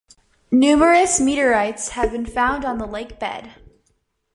Numerous meteorites have been found on the lake bed.